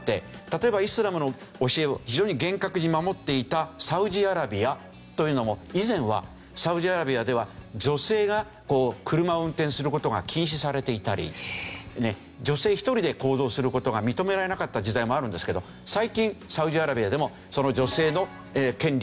例えばイスラムの教えを非常に厳格に守っていたサウジアラビアというのも以前はサウジアラビアでは女性が車を運転する事が禁止されていたり女性１人で行動する事が認められなかった時代もあるんですけど最近サウジアラビアでも女性の権利を認めてあげましょう。